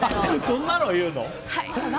こんなの言うの？